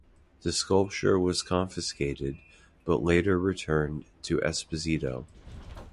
The sculpture was confiscated but later returned to Esposito.